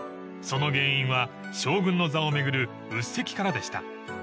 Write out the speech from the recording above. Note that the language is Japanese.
［その原因は将軍の座を巡る鬱積からでした］